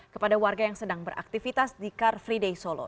kepada warga yang sedang beraktivitas di car free day solo